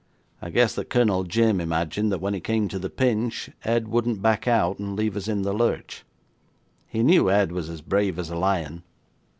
I guess that Colonel Jim imagined that when it came to the pinch, Ed wouldn't back out and leave us in the lurch: he knew Ed was as brave as a lion.